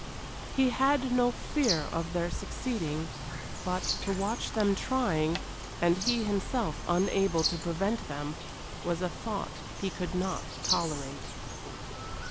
He had no fear of their succeeding, but, to watch them trying, and he himself unable to prevent them, was a thought he could not tolerate.